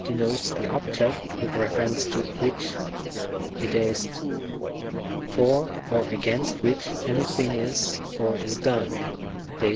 denotes the object with reference to which, i. e., for or against which, any thing is, or is done, (Dat.